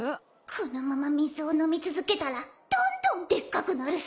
このまま水を飲み続けたらどんどんでっかくなるさ。